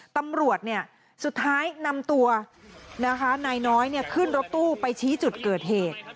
ตำรวจสุดท้ายนำตัวนะคะนายน้อยขึ้นรถตู้ไปชี้จุดเกิดเหตุ